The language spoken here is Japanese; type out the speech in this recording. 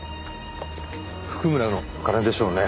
譜久村の金でしょうね。